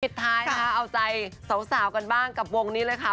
ท้ายค่ะเอาใจสาวกันบ้างกับวงนี้เลยค่ะ